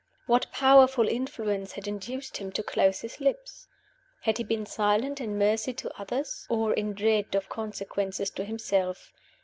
What powerful influence had induced him to close his lips? Had he been silent in mercy to others? or in dread of consequences to himself?